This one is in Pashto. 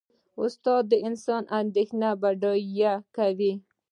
استاد د انسان اندیشه بډایه کوي.